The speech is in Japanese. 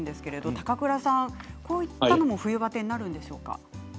高倉さん、こういうのも冬バテになるんでしょうか？